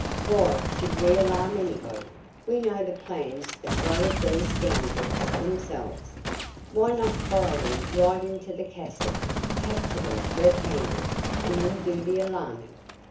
"Why should we alarm anybody? We know the plans as well as these scoundrels themselves. Why not follow them right into the castle, capture them red handed, and then do the alarming?